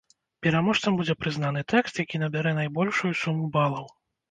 Пераможцам будзе прызнаны тэкст, які набярэ найбольшую суму балаў.